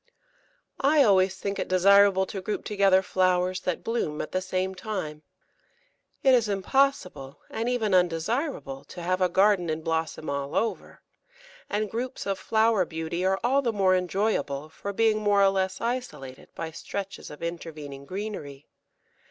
I always think it desirable to group together flowers that bloom at the same time. It is impossible, and even undesirable, to have a garden in blossom all over, and groups of flower beauty are all the more enjoyable for being more or less isolated by stretches of intervening greenery.